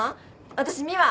私美和。